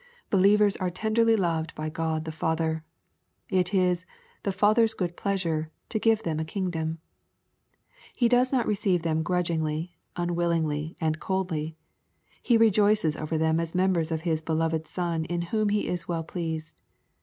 Believers are tenderly loved by God the Father. It is " the Father's good pleasure" to give them a kingdom. He does not receive them grudgingly, unwillingly, and coldly. He rejoices over them as members of His beloved Son in whom He is well pleased.